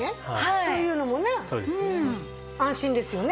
そういうのもね安心ですよね？